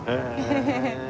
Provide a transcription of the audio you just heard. へえ。